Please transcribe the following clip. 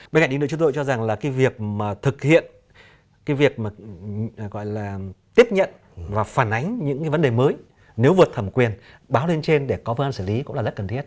bên cạnh đi nữa chúng tôi cho rằng là cái việc mà thực hiện cái việc mà gọi là tiếp nhận và phản ánh những cái vấn đề mới nếu vượt thẩm quyền báo lên trên để có phương án xử lý cũng là rất cần thiết